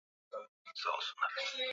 Hesabu ni rahisi